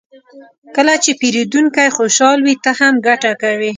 کله چې پیرودونکی خوشحال وي، ته هم ګټه کوې.